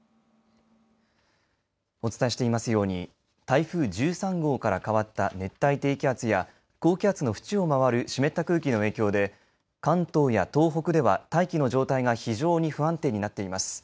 お伝えしていますように台風１３号から変わった熱帯低気圧や高気圧の縁を回る湿った空気の影響で関東や東北では大気の状態が非常に不安定になっています。